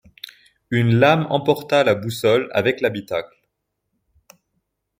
Une lame emporta la boussole avec l’habitacle.